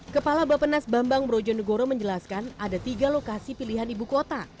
kepala bapenas bambang brojonegoro menjelaskan ada tiga lokasi pilihan ibu kota